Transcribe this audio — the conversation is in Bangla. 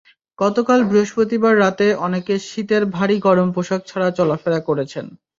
গতকাল বৃহস্পতিবার রাতে অনেকে শীতের ভারী গরম পোশাক ছাড়া চলাফেরা করেছেন।